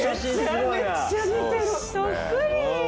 そっくり！